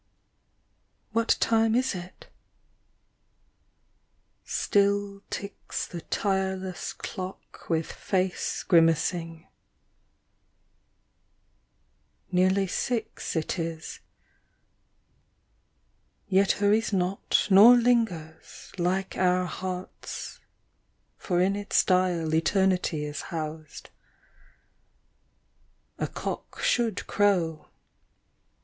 ... What time is it ?... Still ticks the tireless clock, with face grimacing ... nearly six it is ... Yet hurries not nor lingers, like our hearts, For in its dial eternity is housed, — A cock should crow